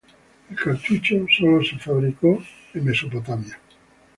El cartucho solo se fabricó en los Estados Unidos.